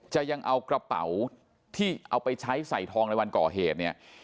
ยังเอากระเป๋าที่เอาไปใช้ใส่ทองในวันก่อเหตุเนี่ย